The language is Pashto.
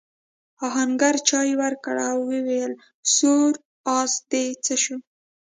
آهنګر چايي ورکړه او وویل سور آس دې څه شو؟